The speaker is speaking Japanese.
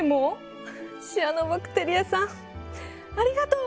シアノバクテリアさんありがとう！